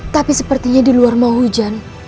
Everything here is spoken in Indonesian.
tapi sepertinya di luar mau hujan